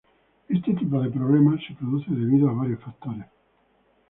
Este tipo de problema se produce debido a varios factores.